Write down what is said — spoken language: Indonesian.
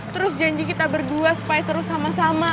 terus janji kita berdua supaya terus sama sama